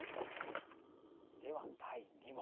では第２問。